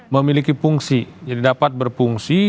memiliki fungsi jadi dapat berfungsi